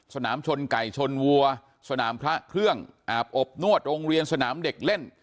สนามชนไก่ชนวัวสนามพระเครื่องอาบอบนวดโรงเรียนสนามเด็กเล่น